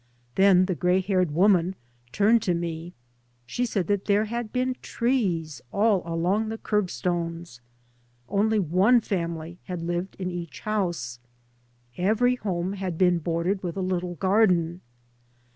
Then the grey haired woman turned to me. She said that there had been trees all along the curb stones. Only one family had lived 3 by Google MY MOTHER AND I in each house. Every home had been bor dered with a little garden.